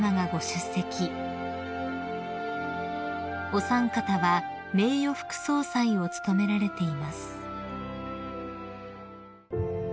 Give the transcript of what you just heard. ［お三方は名誉副総裁を務められています］